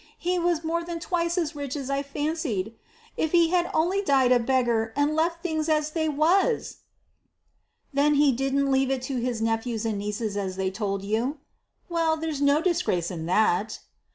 He was more than twice as rich as I fancied. If he had only died a beggar, and left things as they was!" "Then he didn't leave it to his nephews and nieces as they told you? Well, there's no disgrace in that."